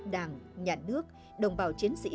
đảng nhà nước đồng bào chiến sĩ